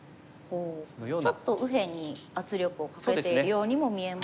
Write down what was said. ちょっと右辺に圧力をかけているようにも見えます。